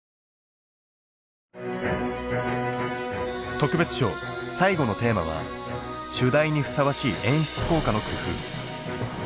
特別賞最後のテーマは「主題にふさわしい演出効果の工夫」。